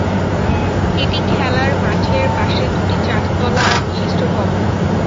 এটি খেলার মাঠের পাশে দুটি চারতলা বিশিষ্ট ভবন।